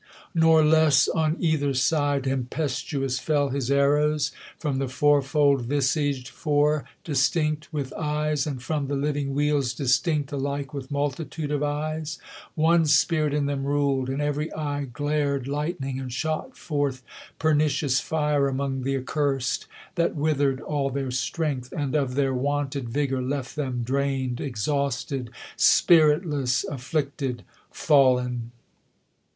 Nor less on either side tempestuous fell His arrows, from the fourfold visag'd Four Distinct with eyes, and from the living wheels Distinct alike with multitude of eyes; One spirit in them rul'd, and ev'ry eye Giar'd lightning, and shot forth pernicious fire Among the accurs'd, that withered all their strengtli, And of their v/onted vigour left them drain'd, Exhausted, spiritless, afflicted, falPn.